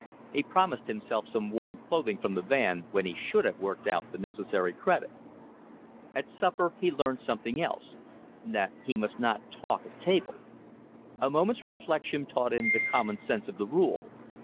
He promised himself some warm clothing from the van, when he should have worked out the necessary credit. At supper he learned something else, that he must not talk at table. A moment's reflection taught him the common sense of the rule.